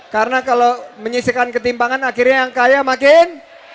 karena kalau menyisakan ketimpangan akhirnya yang kaya makin